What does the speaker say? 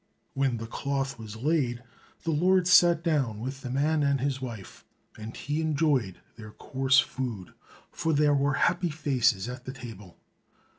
When the cloth was laid, the Lord sat down with the man and his wife, and he enjoyed their coarse food, for there were happy faces at the table.